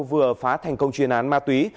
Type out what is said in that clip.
vừa phá thành công truyền án ma túy